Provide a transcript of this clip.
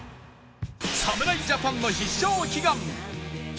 侍ジャパンの必勝を祈願